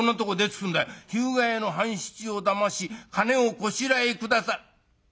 『日向屋の半七をだまし金をこしらえ下さ』。